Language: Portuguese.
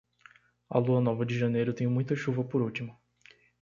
A lua nova de janeiro tem muita chuva por último.